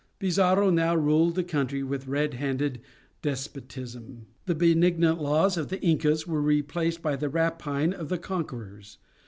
Pizarro now ruled the country with red handed despotism. The benignant laws of the Incas were replaced by the rapine of the conquerors.